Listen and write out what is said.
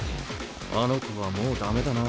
あの子はもう駄目だな。